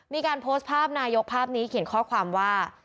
มีการโพสต์ภาพนายกภาพนี้เขียนข้อความว่า